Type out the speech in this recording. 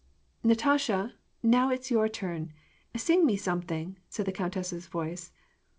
"Natasha ! now it is your turn. Sing me something !" said the countess's voice.